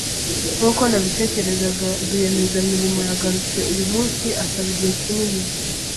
Nkuko nabitekerezaga, rwiyemezamirimo yagarutse uyumunsi, asaba igihe kinini.